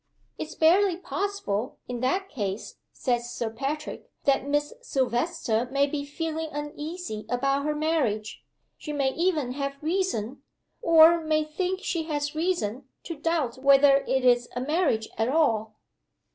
'It's barely possible, in that case,' says Sir Patrick, 'that Miss Silvester may be feeling uneasy about her marriage. She may even have reason or may think she has reason to doubt whether it is a marriage at all.